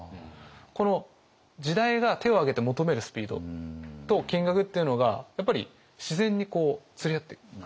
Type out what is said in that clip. この時代が手を挙げて求めるスピードと金額っていうのがやっぱり自然に釣り合っていく。